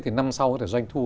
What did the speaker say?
thì năm sau có thể doanh thu